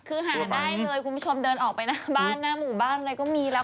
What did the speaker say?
คือหาได้เลยคุณผู้ชมเดินออกไปหน้าบ้านหน้าหมู่บ้านอะไรก็มีแล้ว